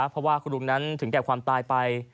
เพราะว่าคุณลุงนั้นถึงแก่ความตายไป